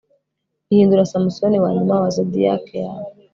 Ihindura Samusoni wanyuma wa zodiac yawe